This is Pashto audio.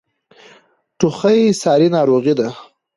ټوخی ساری ناروغۍ ده.